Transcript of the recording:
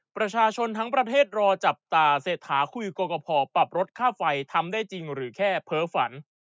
ประชาชนทั้งประเทศรอจับตาเศรษฐาคุยกับกรกภปรับลดค่าไฟทำได้จริงหรือแค่เพ้อฝัน